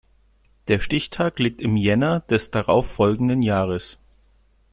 Der Stichtag liegt im Jänner des darauf folgenden Jahres.